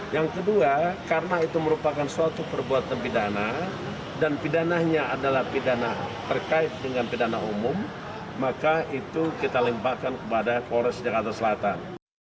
yang kedua karena itu merupakan suatu perbuatan pidana dan pidananya adalah pidana terkait dengan pidana umum maka itu kita limpahkan kepada polres jakarta selatan